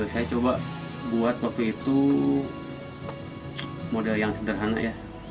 saya coba buat waktu itu model yang sederhana ya